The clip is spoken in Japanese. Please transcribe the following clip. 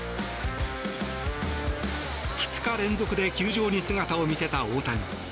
２日連続で球場に姿を見せた大谷。